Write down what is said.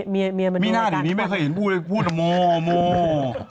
มี่น่าแต่มี่ไม่เคยยินพูดพูดละโมรโมร